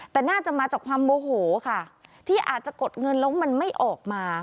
แต่น่าจะมาจากความโมโหค่ะที่อาจจะกดเงินแล้วมันไม่ออกมา